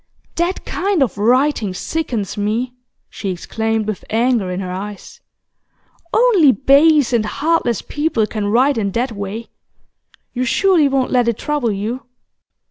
'That kind of writing sickens me,' she exclaimed, with anger in her eyes. 'Only base and heartless people can write in that way. You surely won't let it trouble you?